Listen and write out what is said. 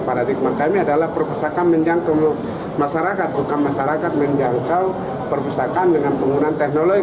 paradigma kami adalah perpustakaan menjangkau masyarakat bukan masyarakat menjangkau perpustakaan dengan penggunaan teknologi